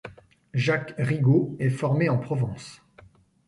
Jacques Rigaud est formé en Provence.